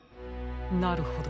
なるほど。